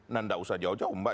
nah tidak usah jauh jauh mbak